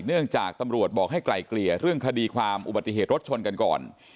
เนื่องจากตำรวจบอกให้ไกลเกลี่ยเรื่องคดีความอุบัติเหตุรถชนกันก่อน